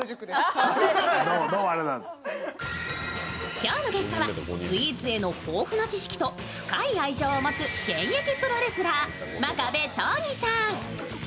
今日のゲストはスイーツへの豊富な知識と深い愛情を持つ現役プロレスラー、真壁刀義さん。